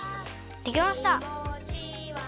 できました！